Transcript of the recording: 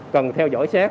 cần theo dõi xét